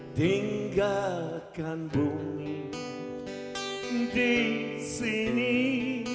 sehingga mereka menggunakan album ini untuk menulis musik yang terkenal di dalamnya